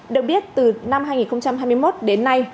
được biết từ năm hai nghìn hai mươi một đến nay